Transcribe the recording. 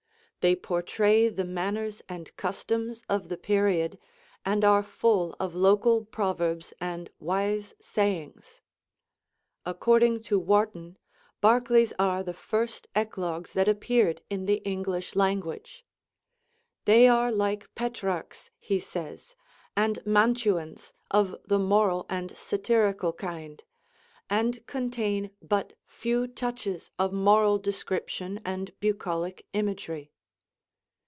They portray the manners and customs of the period, and are full of local proverbs and wise sayings. According to Warton, Barclay's are the first 'Eclogues' that appeared in the English language. "They are like Petrarch's," he says, "and Mantuans of the moral and satirical kind; and contain but few touches of moral description and bucolic imagery."